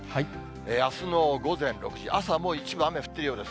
あすの午前６時、朝、もう一部雨降ってるようです。